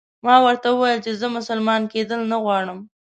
ما ورته وویل چې زه مسلمان کېدل نه غواړم.